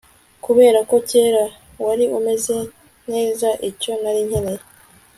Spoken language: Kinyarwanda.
kubera ko kera wari umeze neza icyo nari nkeneye